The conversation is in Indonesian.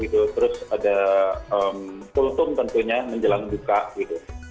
terus ada kultum tentunya menjelang duka gitu